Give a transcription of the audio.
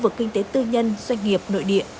phục hồi kinh tế tư nhân doanh nghiệp nội địa